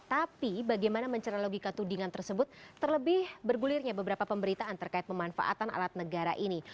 tapi bagaimana mencerah logika tudingan tersebut terlebih bergulirnya beberapa pemberitaan terkait pemanfaatan alat negara ini